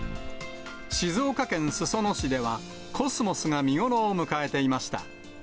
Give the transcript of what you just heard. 静岡県裾野市では、コスモスが見頃を迎えていました。